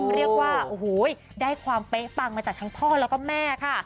เรียกว่าโอ้โหได้ความเป๊ะปังมาจากทั้งพ่อแล้วก็แม่ค่ะ